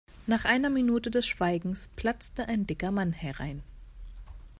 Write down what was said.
Nach einer Minute des Schweigens platzte ein dicker Mann herein.